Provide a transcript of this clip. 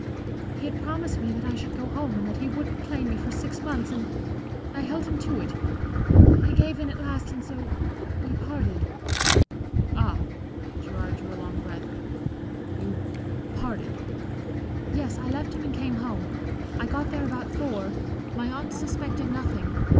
He had promised me that I should go home, and that he wouldn't claim me for six months, and I held him to it. He gave in at last, and so we parted" "Ah!" Gerard drew a long breath. "You parted?" "Yes. I left him and came home. I got there about four my aunts suspected nothing.